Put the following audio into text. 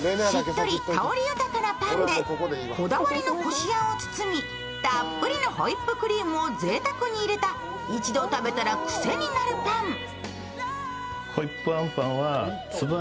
しっとり香り豊かなパンでこだわりのこしあんを包みたっぷりのホイップクリームをたっぷりと入れた一度食べたら癖になるパン。